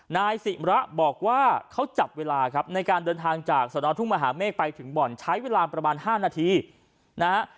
นายสิ่งระบบว่าเขาจับเวลาในการเดินทางจากส๑๘๙๐มหาเมฆไปถึงบ่อนใช้เวลาประมาณ๕นาทีนะครับ